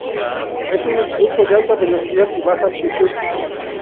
Es un impulso de alta velocidad y baja amplitud.